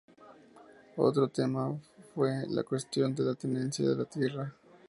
Otro tema fue la cuestión de la tenencia de la tierra.